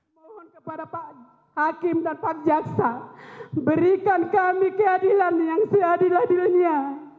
mohon kepada pak hakim dan pak jaksa berikan kami keadilan yang seadil adilnya